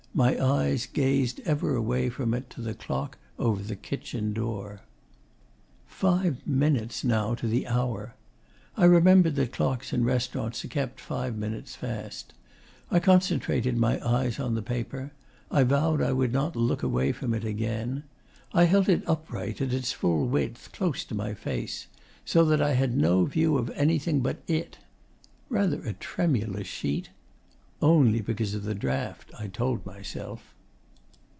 My eyes gazed ever away from it to the clock over the kitchen door.... Five minutes, now, to the hour! I remembered that clocks in restaurants are kept five minutes fast. I concentrated my eyes on the paper. I vowed I would not look away from it again. I held it upright, at its full width, close to my face, so that I had no view of anything but it.... Rather a tremulous sheet? Only because of the draught, I told myself.